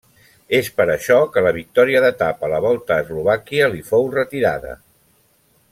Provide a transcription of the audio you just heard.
És per això que la victòria d'etapa a la Volta a Eslovàquia li fou retirada.